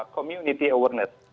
komunitas yang lebih berpengaruh